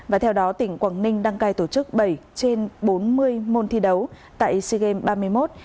và theo đó tỉnh quảng ninh đăng cai tổ chức bảy trên bốn mươi môn thi đấu tại sea games ba mươi một